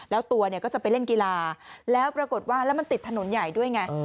แล้วตัวเนี่ยก็จะไปเล่นกีฬาแล้วปรากฏว่าแล้วมันติดถนนใหญ่ด้วยไง